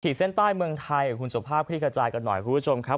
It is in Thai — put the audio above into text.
ที่เส้นใต้เมืองไทยคุณสุภาพคลิกระจายกันหน่อยครับคุณผู้ชมครับ